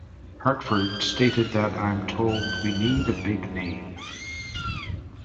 Harford stated that I'm told we need a big name.